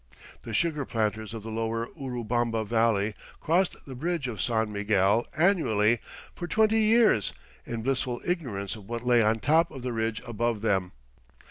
The sugar planters of the lower Urubamba Valley crossed the bridge of San Miguel annually for twenty years in blissful ignorance of what lay on top of the ridge above them.